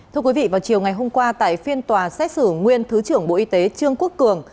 thưa quý vị vào chiều ngày hôm qua tại phiên tòa xét xử nguyên thứ trưởng bộ y tế trương quốc cường